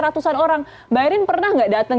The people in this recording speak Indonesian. ratusan orang mbak erin pernah nggak datang